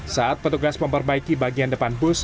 saat petugas memperbaiki bagian depan bus